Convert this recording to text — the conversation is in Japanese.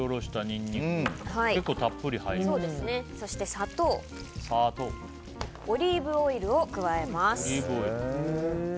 そして砂糖とオリーブオイルを加えます。